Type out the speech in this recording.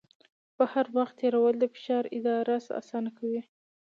بهر وخت تېرول د فشار اداره اسانه کوي.